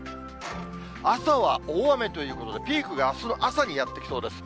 朝は大雨ということで、ピークがあすの朝にやって来そうです。